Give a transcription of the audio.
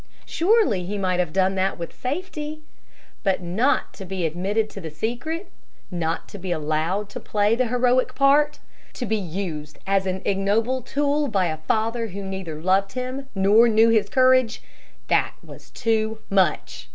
Surely he might have done that with safety! But not to be admitted to the secret, not to be allowed to play the heroic part, to be used as an ignoble tool by a father who neither loved him nor knew his courage, that was too much!